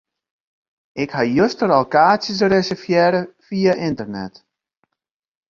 Ik ha juster al kaartsjes reservearre fia ynternet.